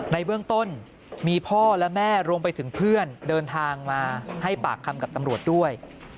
ในเบื้องต้นมีพ่อและแม่รวมไปถึงเพื่อนเดินทางมาให้ปากคำกับตำรวจด้วย